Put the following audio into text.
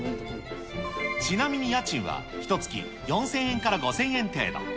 ちなみに家賃はひとつき４０００円から５０００円程度。